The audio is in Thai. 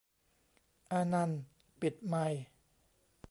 "อานันท์" ปิดไมค์